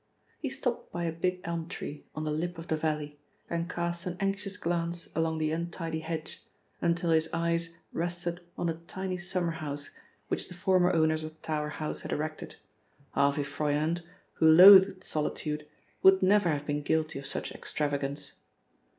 He stopped by a big elm tree on the lip of the valley and cast an anxious glance along the untidy hedge, until his eyes rested on a tiny summer house which the former owners of Tower House had erected Harvey Froyant, who loathed solitude, would never have been guilty of such extravagance.